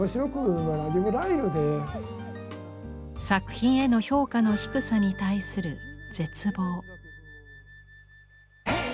作品への評価の低さに対する絶望。